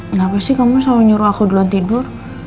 kenapa sih kamu selalu nyuruh aku duluan tidur